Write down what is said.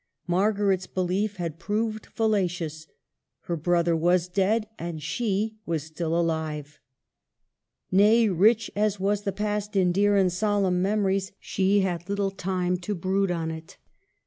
Mar garet's belief had proved fallacious : her brother was dead and she was still alive. Nay, rich as was the past in dear and solemn memories, she had little time to brood on it.